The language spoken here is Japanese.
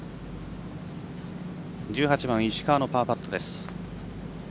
１８番、石川のパーパット。